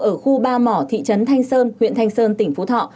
ở khu ba mỏ thị trấn thanh sơn huyện thanh sơn tỉnh phú thọ